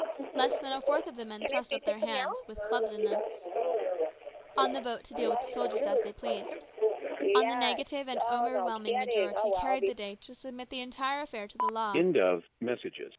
Less than a fourth of the men thrust up their hands, with clubs in them, on the vote to deal with the soldiers as they pleased. On the negative an overwhelming majority carried the day to submit the entire affair to the law.